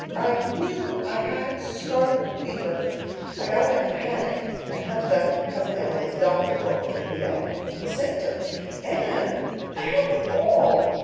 I knew I had scarlet fever; I got up in a panic and hunted up Cousin Emily's 'doctor book' to read up the symptoms. Anne, I had them all.